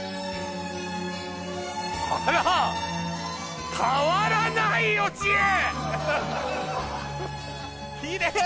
あら変わらない芳恵！